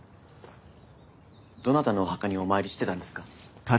どなたのお墓にお参りしてたんですか？